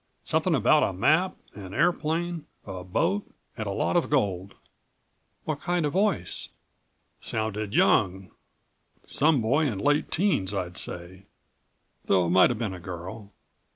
Something about a map, an airplane, a boat and a lot of gold." "What kind of voice?" "Sounded young. Some boy in late teens, I'd say. Though it might have been a girl.